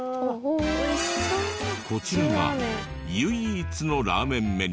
こちらが唯一のラーメンメニュー塩ラーメン。